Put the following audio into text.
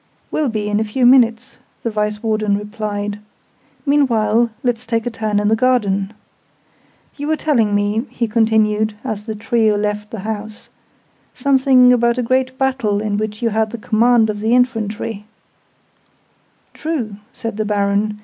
"Will be in a few minutes," the Vice Warden replied. "Meanwhile, let's take a turn in the garden. You were telling me," he continued, as the trio left the house, "something about a great battle in which you had the command of the infantry " "True," said the Baron.